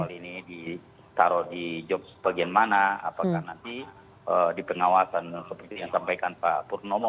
hal ini ditaruh di job bagian mana apakah nanti di pengawasan seperti yang sampaikan pak purnomo